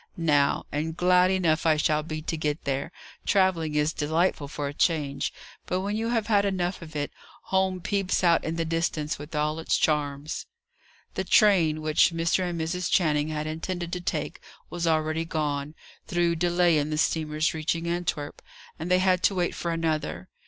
"Now; and glad enough I shall be to get there. Travelling is delightful for a change, but when you have had enough of it, home peeps out in the distance with all its charms." The train which Mr. and Mrs. Channing had intended to take was already gone, through delay in the steamer's reaching Antwerp, and they had to wait for another.